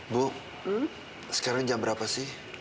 bu sekarang jam berapa sih